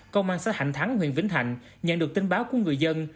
công an xã hạnh thắng huyện vĩnh thạnh nhận được tin báo của người dân